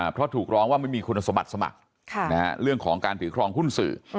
เพราะถูกร้องว่าไม่มีคุณสมบัติสมัครเรื่องของการถือครองหุ้นสื่อ